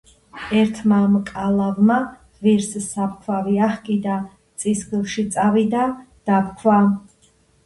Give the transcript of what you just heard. ერთმა მკალავმა ვირს საფქვავი აჰკიდა, წისქვილში წავიდა, დაფქვა.